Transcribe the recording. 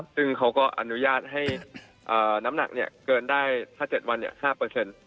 ซึ่งเขาก็อนุญาตให้น้ำหนักเกินได้ถ้า๗วัน๕เปอร์เซ็นต์